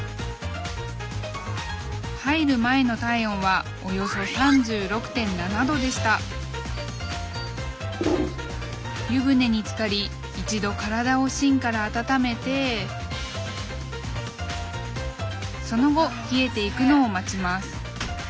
入る前の体温はおよそ３６．７℃でした湯船につかり一度体を芯から温めてその後冷えていくのを待ちます。